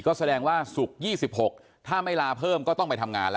ก็แสดงว่าศุกร์ยี่สิบหกถ้าไม่ลาเพิ่มก็ต้องไปทำงานล่ะ